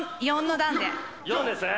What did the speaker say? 四ですね。